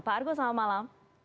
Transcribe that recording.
pak argo selamat malam